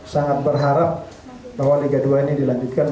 sangat berharap bahwa liga dua ini dilanjutkan